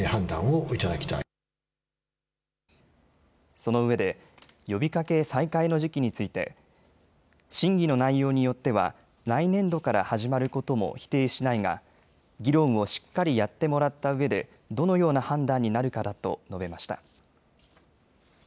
そのうえで呼びかけ再開の時期について審議の内容によっては来年度から始まることも否定しないが議論をしっかりやってもらったうえでどのような判断になるかだと述べました。